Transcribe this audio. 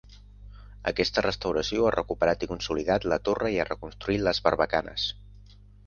Aquesta restauració ha recuperat i consolidat la torre i ha reconstruït les barbacanes.